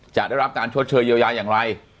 จะได้รับการชดเชยเยียวยาอย่างไร